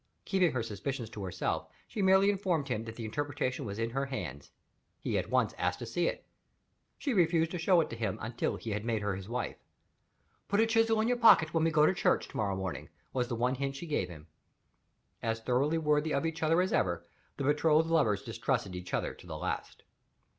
Keeping her suspicions to herself, she merely informed him that the interpretation was in her hands. He at once asked to see it. She refused to show it to him until he had made her his wife. "Put a chisel in your pocket, when we go to church, to morrow morning," was the one hint she gave him. As thoroughly worthy of each other as ever, the betrothed lovers distrusted each other to the last.